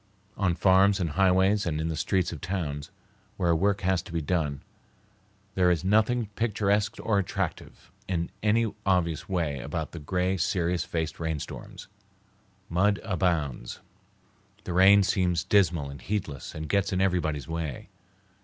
On farms and highways and in the streets of towns, where work has to be done, there is nothing picturesque or attractive in any obvious way about the gray, serious faced rainstorms. Mud abounds. The rain seems dismal and heedless and gets in everybody's way.